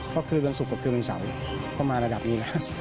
พอคืนวันศุกร์กับคืนวันเสาร์เข้ามาระดับนี้แหละ